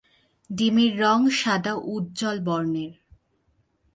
ডিমের রঙ সাদা উজ্জল বর্ণের।